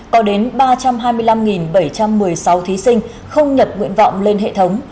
có đến ba trăm hai mươi năm bảy trăm một mươi sáu thí sinh không nhập nguyện vọng lên hệ thống